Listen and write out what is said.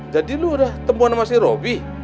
jadi lu udah temuan namanya robi